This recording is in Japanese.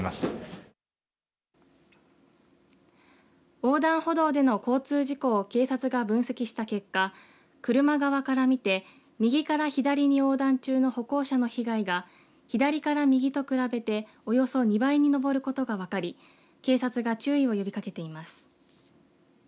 横断歩道での交通事故を警察が分析した結果車側から見て右から左に横断中の歩行者の被害が左から右と比べておよそ２倍に上ることが分かり警察が注意を呼びかけています。